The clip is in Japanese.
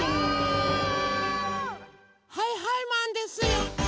はいはいマンですよ。